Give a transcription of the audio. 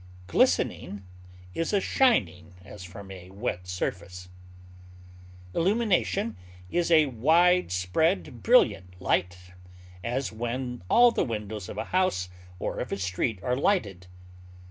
Glistening is a shining as from a wet surface. Illumination is a wide spread, brilliant light, as when all the windows of a house or of a street are lighted.